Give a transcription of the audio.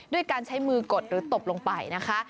ด้วยการใช้มือกดหรือตบลงไปนะคะ